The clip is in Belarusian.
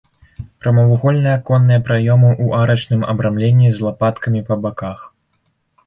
Прамавугольныя аконныя праёмы ў арачным абрамленні з лапаткамі па баках.